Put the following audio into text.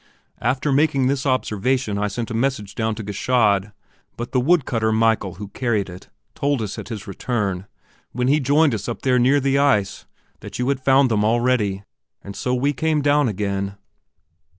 After making this observation I sent a message to Gschaid, but the wood cutter Michael who carried it told us at his return, when he joined us up there near the ice, that you had found them already, and so we came down again."